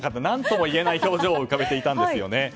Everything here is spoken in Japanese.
何とも言えない表情を浮かべていたんですよね。